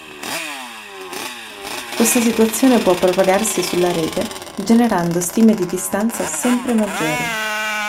Questa situazione può propagarsi sulla rete generando stime di distanza sempre maggiori.